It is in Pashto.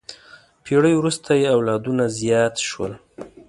پېړۍ وروسته یې اولادونه زیات شول.